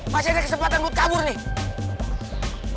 masih ada kesempatan buat kabur nih